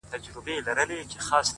ښاا ځې نو ـ